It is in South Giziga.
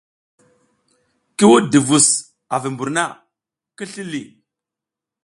Ki wuɗ duvus a vi mbur na, ki sli ləh.